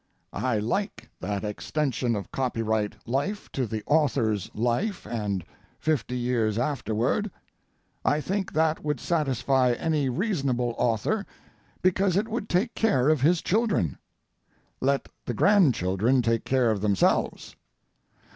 I like that extension of copyright life to the author's life and fifty years afterward. I think that would satisfy any reasonable author, because it would take care of his children. Let the grandchildren take care of themselves.